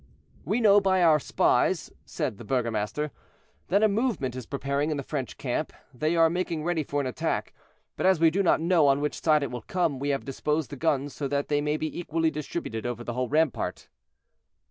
"We know by our spies," said the burgomaster, "that a movement is preparing in the French camp; they are making ready for an attack, but as we do not know on which side it will come, we have disposed the guns so that they may be equally distributed over the whole rampart."